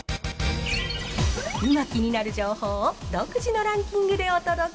今気になる情報を独自のランキングでお届け。